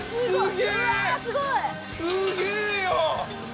すごい！